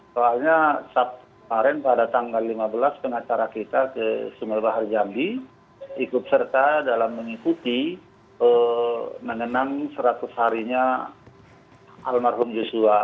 soalnya sabtaren pada tanggal lima belas pengacara kita ke sumewa harjandi ikut serta dalam mengikuti menenang seratus harinya almarhum yosua